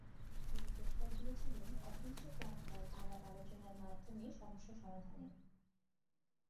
তিনি প্রস্তাব দিয়েছিলেন অহিংস পন্থায় আলাপ-আলোচনার মাধ্যমে সমস্যা সমাধানের।